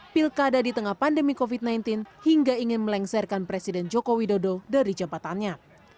pilkada di tengah pandemi covid sembilan belas hingga ingin melengsarkan presiden joko widodo dari jabatannya